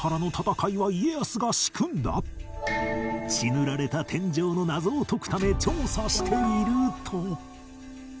血塗られた天井の謎を解くため調査していると